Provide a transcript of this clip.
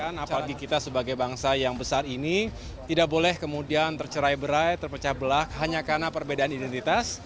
apalagi kita sebagai bangsa yang besar ini tidak boleh kemudian tercerai berai terpecah belah hanya karena perbedaan identitas